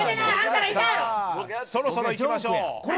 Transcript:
そろそろいきましょう。